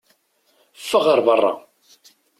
Ffeɣ ɣer berra!